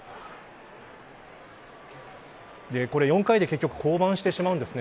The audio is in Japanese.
４回で結局降板してしまうんですね。